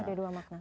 ada dua makna